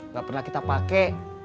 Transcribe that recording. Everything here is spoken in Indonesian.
gak pernah kita pake